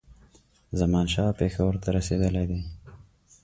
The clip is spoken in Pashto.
زمانشاه پېښور ته رسېدلی دی.